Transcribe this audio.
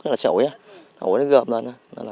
lúc đó là xe ủi á ủi nó gơm lên đó